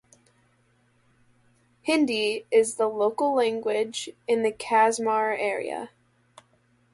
Hindi is the local language in the Kasmar area.